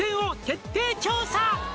「徹底調査」